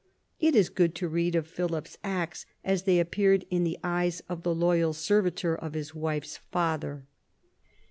It is good to read of Philip's acts as they appeared in the eyes of the loyal servitor of his wife's father.